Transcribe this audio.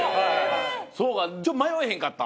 そうか。